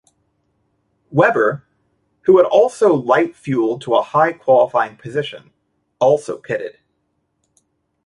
Webber, who had also light-fueled to a high qualifying position, also pitted.